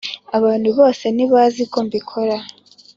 Abantu bose ntibazi ko mbikora